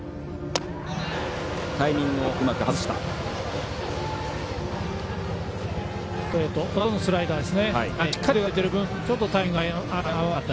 タイミングをうまく外しました。